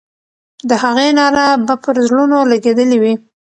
د هغې ناره به پر زړونو لګېدلې وي.